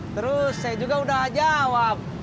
terus saya juga udah jawab